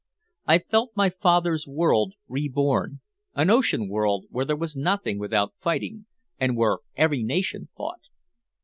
I felt my father's world reborn, an ocean world where there was nothing without fighting, and where every nation fought.